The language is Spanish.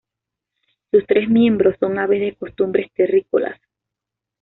Sus tres miembros son aves de costumbres terrícolas.